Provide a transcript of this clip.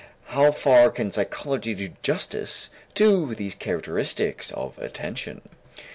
How far can psychology do justice to these characteristics of attention?